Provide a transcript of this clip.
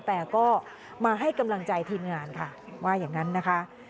แต่ก็มาให้กำลังใจทีมงานค่ะว่าอย่างนั้นนะคะ